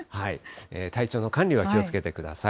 体調の管理、気をつけてください。